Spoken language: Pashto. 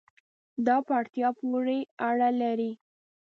دا په اړتیا پورې اړه لري